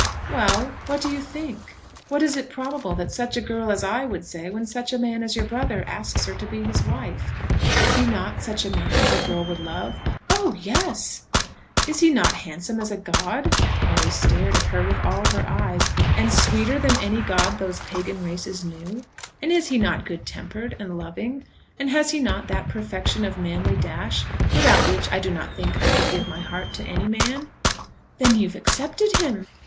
"Well; what do you think? What is it probable that such a girl as I would say when such a man as your brother asks her to be his wife? Is he not such a man as a girl would love?" "Oh yes." "Is he not handsome as a god?" Mary stared at her with all her eyes. "And sweeter than any god those pagan races knew? And is he not good tempered, and loving; and has he not that perfection of manly dash without which I do not think I could give my heart to any man?" "Then you have accepted him?"